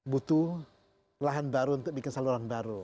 butuh lahan baru untuk bikin saluran baru